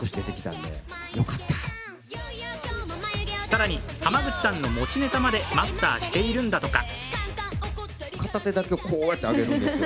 更に、濱口さんの持ちネタまでマスターしているんだとか。